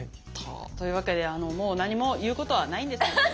というわけでもう何も言うことはないんですね。